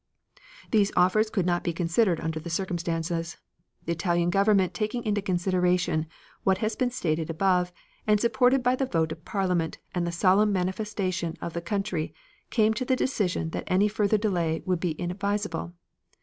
These offers could not be considered under the circumstances. The Italian Government taking into consideration what has been stated above, and supported by the vote of Parliament and the solemn manifestation of the country came to the decision that any further delay would be inadvisable.